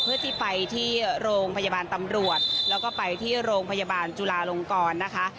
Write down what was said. เพื่อที่ไปที่โรงพยาบาลตำรวจแล้วก็ไปที่โรงพยาบาลจุลาลงกรนะคะ